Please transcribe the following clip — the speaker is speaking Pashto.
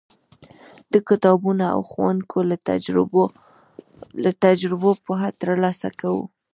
د کتابونو او ښوونکو له تجربو پوهه ترلاسه کوو.